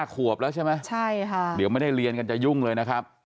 ๕ขวบแล้วใช่ไหมหรือไม่ได้เรียนกันจะยุ่งเลยนะครับใช่ค่ะ